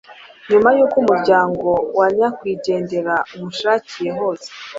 Nyuma y’uko umuryango wa nyakwigendera umushakiye hose